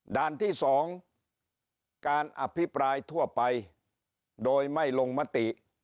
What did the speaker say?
ด้านที่๒การอภิปรายทั่วไปโดยไม่ลงมติ